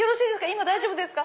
今大丈夫ですか？